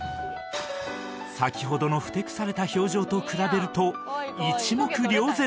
先ほどのふてくされた表情と比べると一目瞭然